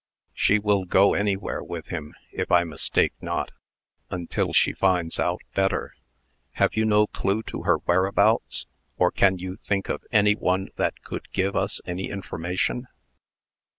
She will go anywhere with him, if I mistake not, until she finds him out better. Have you no clue to her whereabouts; or can you think of any one that could give us any information?"